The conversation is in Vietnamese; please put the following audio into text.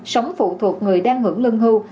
sống phụ thuộc người đang ngưỡng lưng hưu